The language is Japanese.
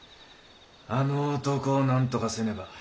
あの男をなんとかせねば。